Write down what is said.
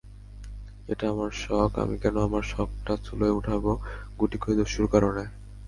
এটা আমার শখ, আমি কেন আমার শখটা চুলোয় ওঠাব গুটিকয় দস্যুর কারণে।